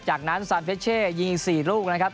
จากนั้นสุสานเฟชเช่ยิงอีกสี่ลูกนะครับ